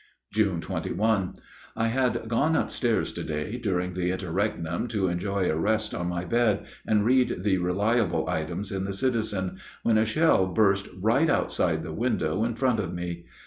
June 21. I had gone up stairs to day during the interregnum to enjoy a rest on my bed, and read the reliable items in the "Citizen," when a shell burst right outside the window in front of me.